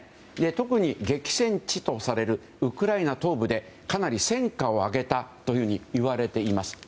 特に、激戦地とされるウクライナ東部でかなり戦果を挙げたといわれています。